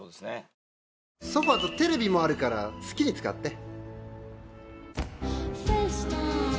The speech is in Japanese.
「ソファとテレビもあるから好きに使って」